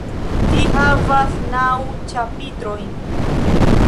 Ĝi havas naŭ ĉapitrojn.